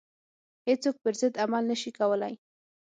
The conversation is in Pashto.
هیڅوک پر ضد عمل نه شي کولای.